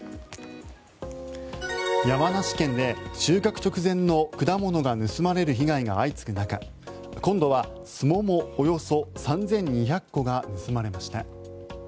山梨県で収穫直前の果物が盗まれる被害が相次ぐ中今度はスモモおよそ３２００個が盗まれました。